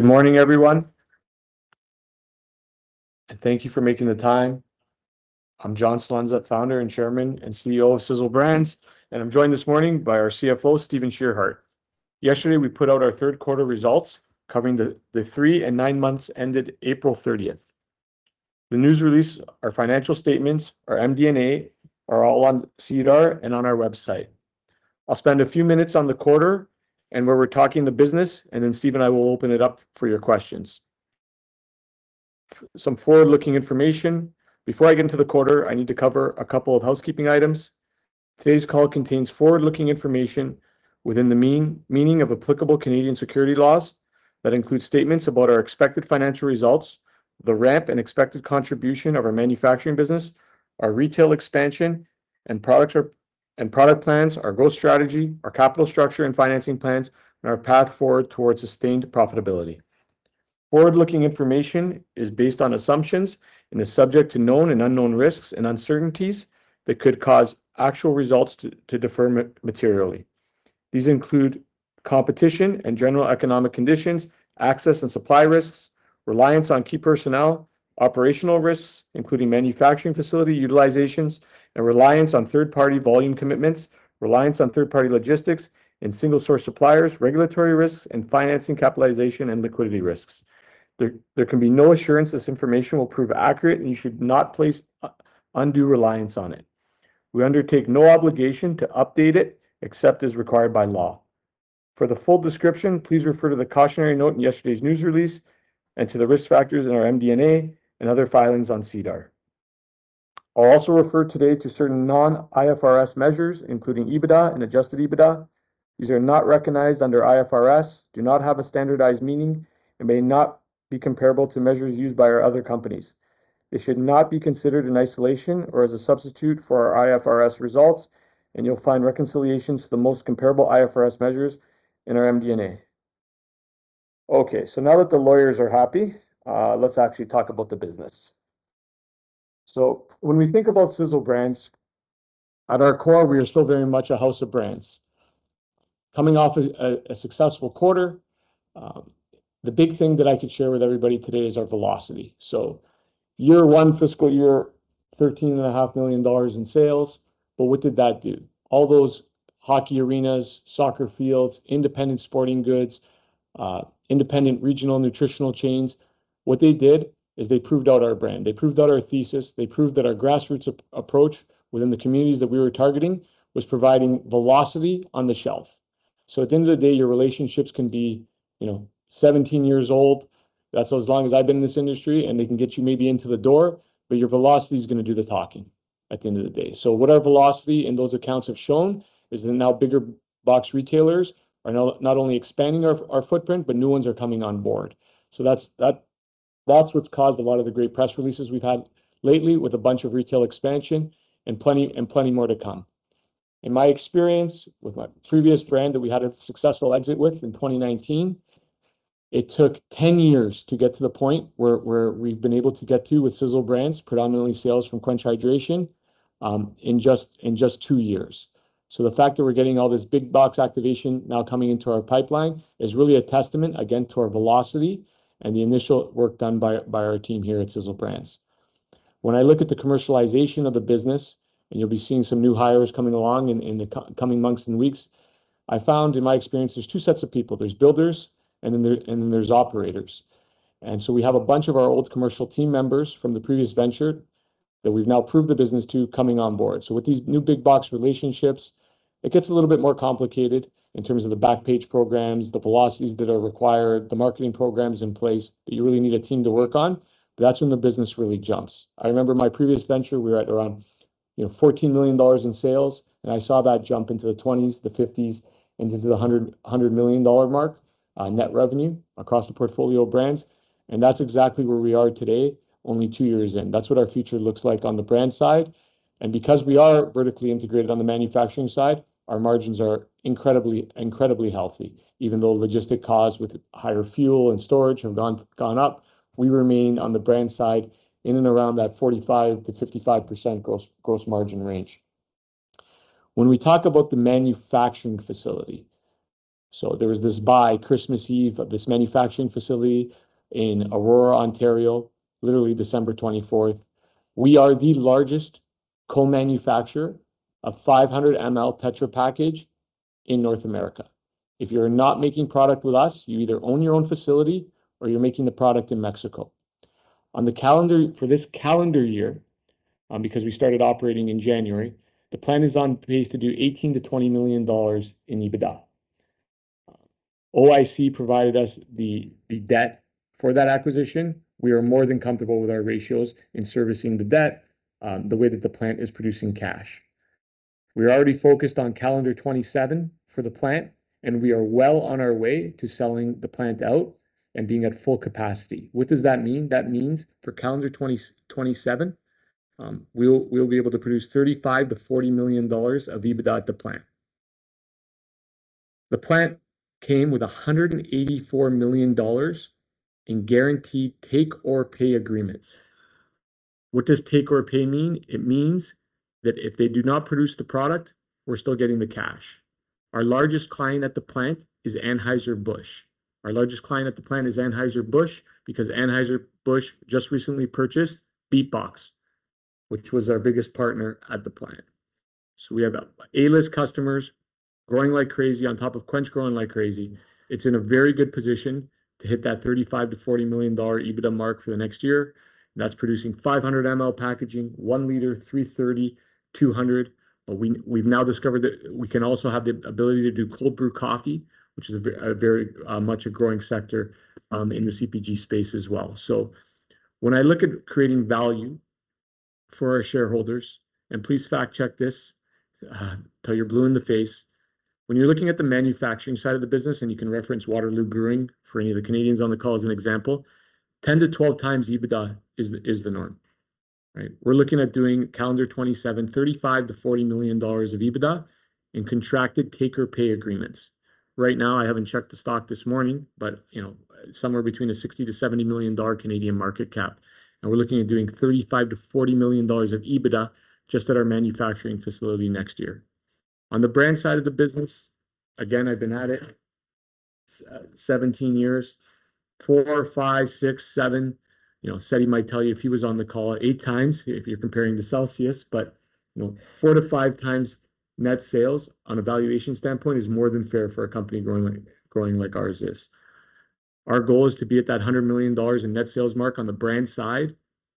Good morning, everyone, and thank you for making the time. I'm John Celenza, Founder and Chairman and CEO of Cizzle Brands, and I'm joined this morning by our CFO, Steven Tschirhart. Yesterday, we put out our third quarter results covering the three and nine months ended April 30th. The news release, our financial statements, our MD&A are all on SEDAR and on our website. I'll spend a few minutes on the quarter and where we're talking the business. Then Steve and I will open it up for your questions. Some forward-looking information. Before I get into the quarter, I need to cover a couple of housekeeping items. Today's call contains forward-looking information within the meaning of applicable Canadian security laws. Statements about our expected financial results, the ramp and expected contribution of our manufacturing business, our retail expansion and product plans, our growth strategy, our capital structure and financing plans, and our path forward towards sustained profitability. Forward-looking information is based on assumptions and is subject to known and unknown risks and uncertainties that could cause actual results to defer materially. These include competition and general economic conditions, access and supply risks, reliance on key personnel, operational risks, including manufacturing facility utilizations and reliance on third-party volume commitments, reliance on third-party logistics and single-source suppliers, regulatory risks, and financing, capitalization, and liquidity risks. There can be no assurance this information will prove accurate, and you should not place undue reliance on it. We undertake no obligation to update it except as required by law. For the full description, please refer to the cautionary note in yesterday's news release and to the risk factors in our MD&A and other filings on SEDAR. I'll also refer today to certain non-IFRS measures, including EBITDA and adjusted EBITDA. These are not recognized under IFRS, do not have a standardized meaning, and may not be comparable to measures used by our other companies. They should not be considered in isolation or as a substitute for our IFRS results, and you'll find reconciliations to the most comparable IFRS measures in our MD&A. Now that the lawyers are happy, let's actually talk about the business. When we think about Cizzle Brands, at our core, we are still very much a house of brands. Coming off a successful quarter, the big thing that I could share with everybody today is our velocity. Year one fiscal year, 13.5 million dollars in sales. What did that do? All those hockey arenas, soccer fields, independent sporting goods, independent regional nutritional chains, what they did is they proved out our brand. They proved out our thesis. They proved that our grassroots approach within the communities that we were targeting was providing velocity on the shelf. At the end of the day, your relationships can be 17 years old, that's as long as I've been in this industry, and they can get you maybe into the door, but your velocity is going to do the talking at the end of the day. What our velocity in those accounts have shown is that now bigger box retailers are now not only expanding our footprint, but new ones are coming on board. That's what's caused a lot of the great press releases we've had lately with a bunch of retail expansion and plenty more to come. In my experience with my previous brand that we had a successful exit with in 2019, it took 10 years to get to the point where we've been able to get to with Cizzle Brands, predominantly sales from CWENCH Hydration, in just two years. The fact that we're getting all this big box activation now coming into our pipeline is really a testament, again, to our velocity and the initial work done by our team here at Cizzle Brands. When I look at the commercialization of the business, and you'll be seeing some new hires coming along in the coming months and weeks, I found in my experience, there's two sets of people. There's builders, and then there's operators. We have a bunch of our old commercial team members from the previous venture that we've now proved the business to coming on board. With these new big box relationships, it gets a little bit more complicated in terms of the planograms, the velocities that are required, the marketing programs in place that you really need a team to work on. That's when the business really jumps. I remember my previous venture, we were at around 14 million dollars in sales, and I saw that jump into the 20 million, the 50 million, into the 100 million dollar mark net revenue across the portfolio of brands, and that's exactly where we are today, only two years in. That's what our future looks like on the brand side. Because we are vertically integrated on the manufacturing side, our margins are incredibly healthy. Even though logistic costs with higher fuel and storage have gone up, we remain on the brand side in and around that 45%-55% gross margin range. When we talk about the manufacturing facility, there was this buy Christmas Eve of this manufacturing facility in Aurora, Ontario, literally December 24th. We are the largest co-manufacturer of 500 ml Tetra Pak in North America. If you're not making product with us, you either own your own facility or you're making the product in Mexico. For this calendar year, because we started operating in January, the plan is on pace to do 18 million-20 million dollars in EBITDA. OIC provided us the debt for that acquisition. We are more than comfortable with our ratios in servicing the debt, the way that the plant is producing cash. We're already focused on calendar 2027 for the plant, we are well on our way to selling the plant out and being at full capacity. What does that mean? That means for calendar 2027, we'll be able to produce 35 million-40 million dollars of EBITDA at the plant. The plant came with 184 million dollars in guaranteed take-or-pay agreements. What does take-or-pay mean? It means that if they do not produce the product, we're still getting the cash. Our largest client at the plant is Anheuser-Busch, because Anheuser-Busch just recently purchased BeatBox, which was our biggest partner at the plant. We have A-list customers growing like crazy on top of CWENCH growing like crazy. It's in a very good position to hit that 35 million-40 million dollar EBITDA mark for the next year. That's producing 500 ml packaging, 1 L, 330 ml, 200 ml. We've now discovered that we can also have the ability to do cold brew coffee, which is very much a growing sector in the CPG space as well. When I look at creating value for our shareholders, and please fact check this till you're blue in the face, when you're looking at the manufacturing side of the business, and you can reference Waterloo Brewing for any of the Canadians on the call as an example, 10x to 12x EBITDA is the norm. We're looking at doing calendar 2027, 35 million-40 million dollars of EBITDA in contracted take-or-pay agreements. Right now, I haven't checked the stock this morning, but somewhere between a 60 million-70 million dollar Canadian market cap, and we're looking at doing 35 million-40 million dollars of EBITDA just at our manufacturing facility next year. On the brand side of the business, again, I've been at it 17 years. 4x, 5x, 6x, 7x, Setti might tell you if he was on the call, 8x, if you're comparing to Celsius. 4x to 5x net sales on a valuation standpoint is more than fair for a company growing like ours is. Our goal is to be at that 100 million dollars in net sales mark on the brand side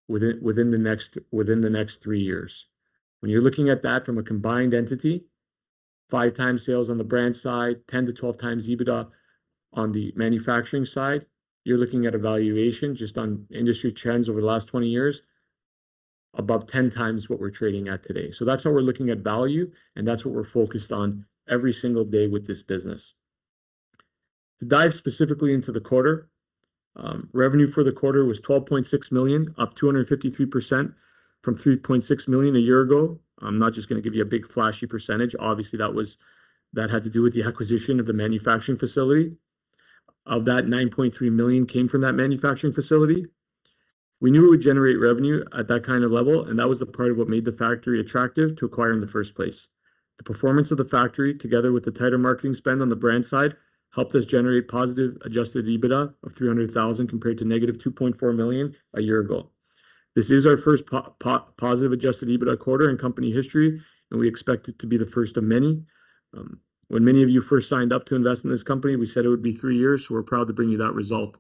within the next three years. When you're looking at that from a combined entity, 5x sales on the brand side, 10x to 12x EBITDA on the manufacturing side, you're looking at a valuation, just on industry trends over the last 20 years, above 10x what we're trading at today. That's how we're looking at value, and that's what we're focused on every single day with this business. To dive specifically into the quarter, revenue for the quarter was 12.6 million, up 253% from 3.6 million a year ago. I'm not just going to give you a big flashy percentage. Obviously, that had to do with the acquisition of the manufacturing facility. Of that, 9.3 million came from that manufacturing facility. We knew it would generate revenue at that kind of level, and that was the part of what made the factory attractive to acquire in the first place. The performance of the factory, together with the tighter marketing spend on the brand side, helped us generate positive adjusted EBITDA of 300,000 compared to -2.4 million a year ago. This is our first positive adjusted EBITDA quarter in company history, and we expect it to be the first of many. When many of you first signed up to invest in this company, we said it would be three years. We're proud to bring you that result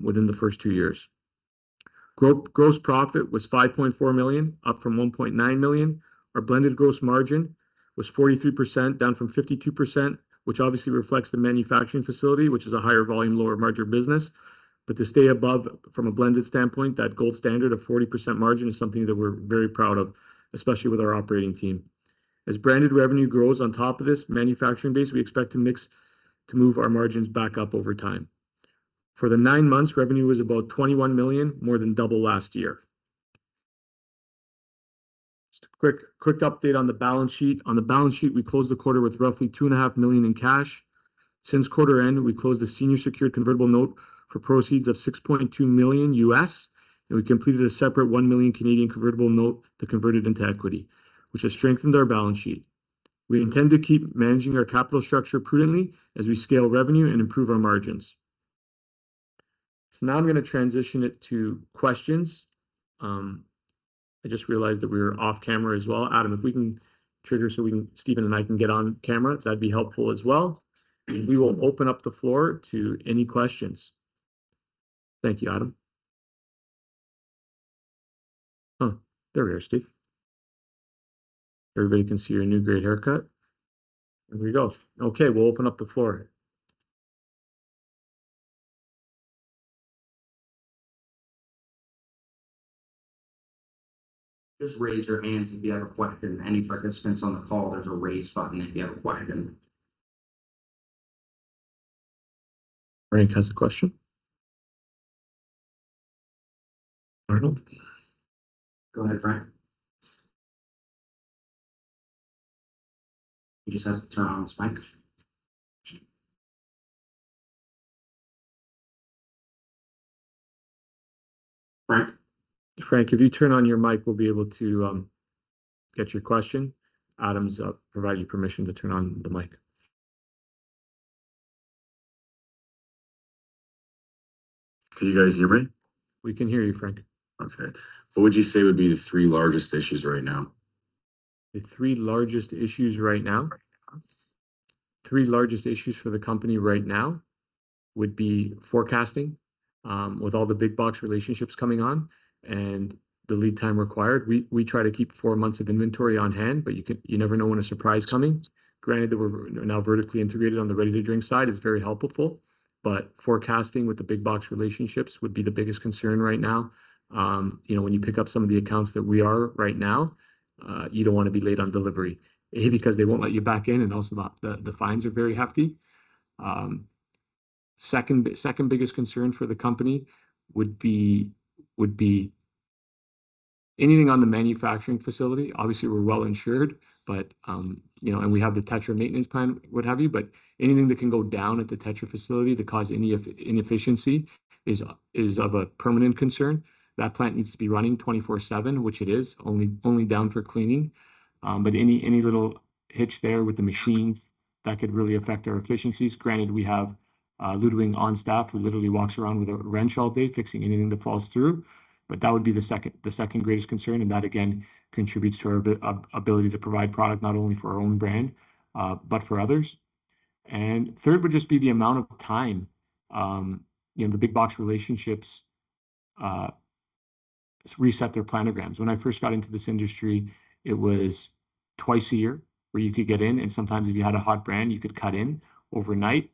within the first two years. Gross profit was 5.4 million, up from 1.9 million. Our blended gross margin was 43%, down from 52%, which obviously reflects the manufacturing facility, which is a higher volume, lower margin business. To stay above from a blended standpoint, that gold standard of 40% margin is something that we're very proud of, especially with our operating team. As branded revenue grows on top of this manufacturing base, we expect to mix to move our margins back up over time. For the nine months, revenue was about 21 million, more than double last year. Just a quick update on the balance sheet. On the balance sheet, we closed the quarter with roughly 2.5 million in cash. Since quarter end, we closed a senior secured convertible note for proceeds of $6.2 million, and we completed a separate 1 million convertible note that converted into equity, which has strengthened our balance sheet. We intend to keep managing our capital structure prudently as we scale revenue and improve our margins. Now I'm going to transition it to questions. I just realized that we were off camera as well. Adam, if we can trigger so Steven and I can get on camera, that'd be helpful as well. We will open up the floor to any questions. Thank you, Adam. There we are, Steve. Everybody can see your new great haircut. There we go. We'll open up the floor. Just raise your hands if you have a question. Any participants on the call, there's a raise button if you have a question. Frank has a question. Arnold? Go ahead, Frank. He just has to turn on his mic. Frank? Frank, if you turn on your mic, we'll be able to get your question. Adam's provided you permission to turn on the mic. Can you guys hear me? We can hear you, Frank. Okay. What would you say would be the three largest issues right now? The three largest issues right now? Three largest issues for the company right now would be forecasting with all the big box relationships coming on and the lead time required. We try to keep four months of inventory on hand, but you never know when a surprise coming. Granted, that we're now vertically integrated on the ready-to-drink side is very helpful, but forecasting with the big box relationships would be the biggest concern right now. When you pick up some of the accounts that we are right now, you don't want to be late on delivery, A, because they won't let you back in, and also the fines are very hefty. Second biggest concern for the company would be anything on the manufacturing facility. Obviously, we're well-insured, and we have the Tetra maintenance plan, what have you. Anything that can go down at the Tetra facility that cause any inefficiency is of a permanent concern. That plant needs to be running 24/7, which it is, only down for cleaning. Any little hitch there with the machine, that could really affect our efficiencies. Granted, we have [ludwing] on staff, who literally walks around with a wrench all day, fixing anything that falls through. That would be the second greatest concern, and that, again, contributes to our ability to provide product not only for our own brand, but for others. Third would just be the amount of time. The big box relationships reset their planograms. When I first got into this industry, it was twice a year where you could get in, and sometimes if you had a hot brand, you could cut in overnight.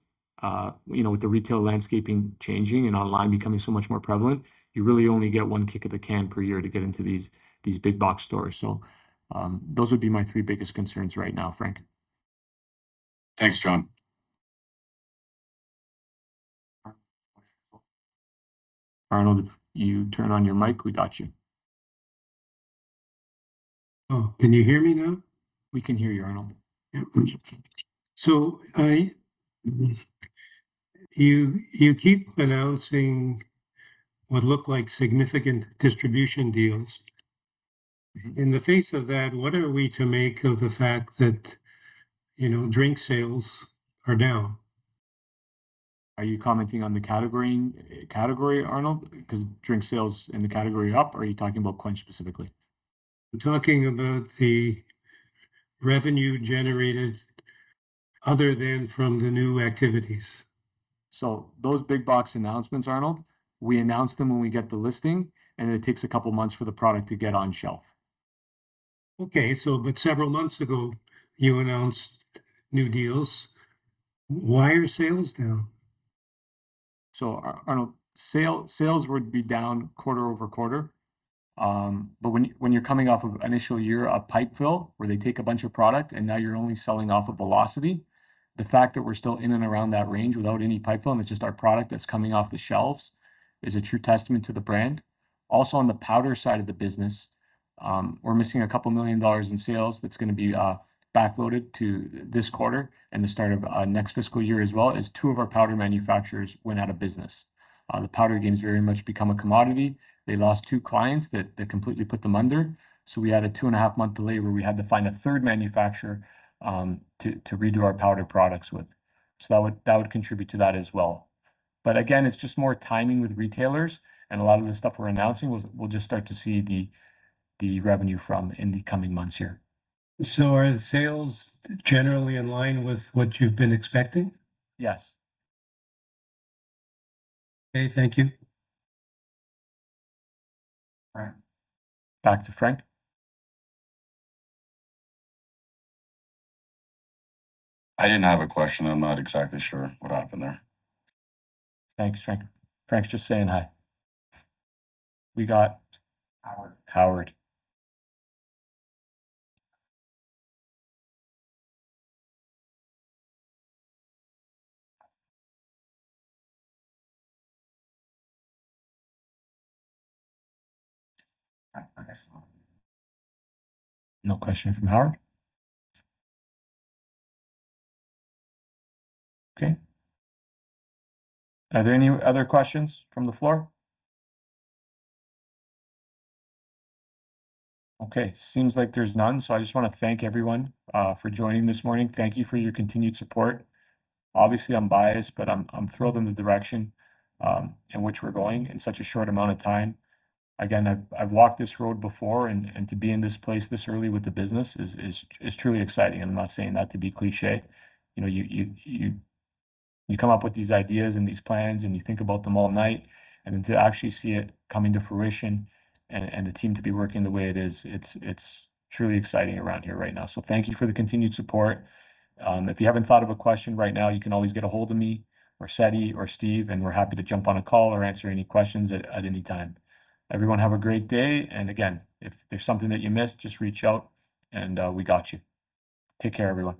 With the retail landscaping changing and online becoming so much more prevalent, you really only get one kick of the can per year to get into these big box stores. Those would be my three biggest concerns right now, Frank. Thanks, John. Arnold, if you turn on your mic, we got you. Oh, can you hear me now? We can hear you, Arnold. Yeah. You keep announcing what look like significant distribution deals. In the face of that, what are we to make of the fact that drink sales are down? Are you commenting on the category, Arnold? Drink sales in the category are up. Are you talking about CWENCH specifically? I'm talking about the revenue generated other than from the new activities. Those big box announcements, Arnold, we announce them when we get the listing, it takes a couple of months for the product to get on shelf. Okay. Several months ago, you announced new deals. Why are sales down? Arnold, sales would be down quarter-over-quarter. When you're coming off of initial year of pipe fill, where they take a bunch of product and now you're only selling off of velocity, the fact that we're still in and around that range without any pipe fill and it's just our product that's coming off the shelves is a true testament to the brand. Also, on the powder side of the business, we're missing a couple million dollars in sales that's going to be back-loaded to this quarter and the start of next fiscal year as well, as two of our powder manufacturers went out of business. The powder game's very much become a commodity. They lost two clients that completely put them under. We had a two-and-a-half-month delay where we had to find a third manufacturer to redo our powder products with. That would contribute to that as well. Again, it's just more timing with retailers and a lot of the stuff we're announcing, we'll just start to see the revenue from in the coming months here. Are the sales generally in line with what you've been expecting? Yes. Okay, thank you. All right. Back to Frank. I didn't have a question. I'm not exactly sure what happened there. Thanks, Frank. Frank's just saying hi. Howard Howard. No question from Howard? Okay. Are there any other questions from the floor? Okay, seems like there's none. I just want to thank everyone for joining this morning. Thank you for your continued support. Obviously, I'm biased, but I'm thrilled in the direction in which we're going in such a short amount of time. Again, I've walked this road before, and to be in this place this early with the business is truly exciting. I'm not saying that to be cliché. You come up with these ideas and these plans, and you think about them all night, and then to actually see it coming to fruition and the team to be working the way it is, it's truly exciting around here right now. Thank you for the continued support. If you haven't thought of a question right now, you can always get ahold of me or Setti or Steve. We're happy to jump on a call or answer any questions at any time. Everyone, have a great day. Again, if there's something that you missed, just reach out and we got you. Take care, everyone.